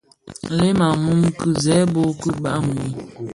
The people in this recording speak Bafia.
Nlem a mum ki zerbo, bi bag wii,